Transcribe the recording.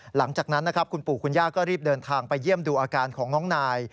หลังจากนั้นนะครับคุณปู่คุณย่าก็รีบเดินทางไปเยี่ยมดูอาการของน้องนาย